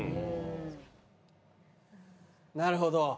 なるほど。